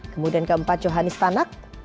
kemudian keempat johanis tanak